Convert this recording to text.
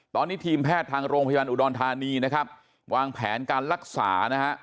ตอนนี้ทีมแพทย์ทางโรงพยาบาลอุดรธานีนะครับวางแผนการรักษานะฮะ